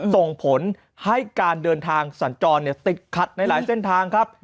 ส่งผลให้การเดินทางสัญจรติดขัดในหลายเส้นทางครับ